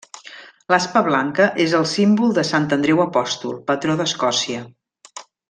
L'aspa blanca és el símbol de Sant Andreu l'Apòstol, patró d'Escòcia.